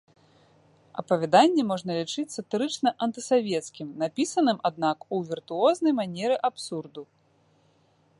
Апавяданне можна лічыць сатырычна-антысавецкім, напісаным, аднак, у віртуознай манеры абсурду.